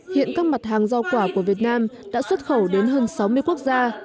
hiện các mặt hàng rau quả của việt nam đã xuất khẩu đến hơn sáu mươi quốc gia